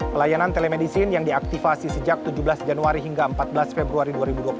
pelayanan telemedicine yang diaktifasi sejak tujuh belas januari hingga empat belas februari dua ribu dua puluh